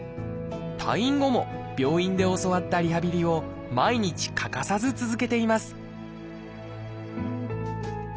退院後も病院で教わったリハビリを毎日欠かさず続けています